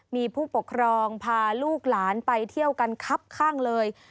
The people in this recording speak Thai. มีผู้ปกครองพาลูกหลานไปเที่ยวกันครับข้างเลย